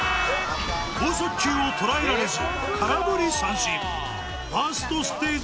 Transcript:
剛速球を捉えられず空振り三振ファーストステージ